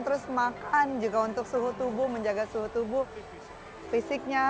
terus makan juga untuk suhu tubuh menjaga suhu tubuh fisiknya